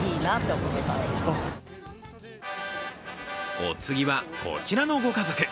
お次は、こちらのご家族。